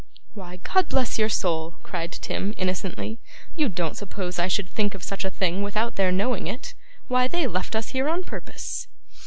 'Why, God bless your soul!' cried Tim, innocently, 'you don't suppose I should think of such a thing without their knowing it! Why they left us here on purpose.